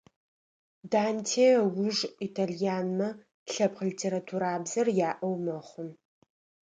Данте ыуж итальянмэ лъэпкъ литературабзэр яӏэу мэхъу.